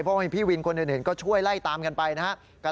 เพราะว่ามีพี่วินคนอื่นก็ช่วยไล่ตามกันไปนะครับ